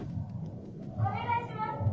「お願いします！」。